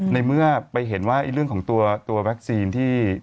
ในเมื่อไปเห็นว่าเรื่องของตัววัคซีนที่